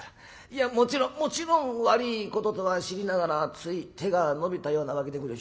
いやもちろんもちろん悪いこととは知りながらつい手が伸びたようなわけでごぜえやして。